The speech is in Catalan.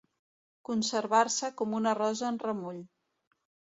Conservar-se com una rosa en remull.